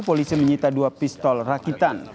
polisi menyita dua pistol rakitan